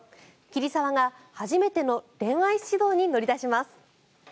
桐沢が、初めての恋愛指導に乗り出します。